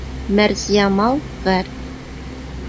Мәрзиямал ғәр.